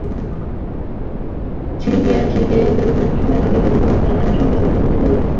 সিঁড়ি দিয়া উপরে উঠিবার সময় বাহির হইতে দেখিলেই তাহার সর্বশরীর সংকুচিত হইয়া উঠিত।